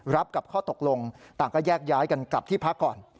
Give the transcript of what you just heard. รับกับข้อตกลงต่างก็แยกย้ายกันกลับที่พักก่อน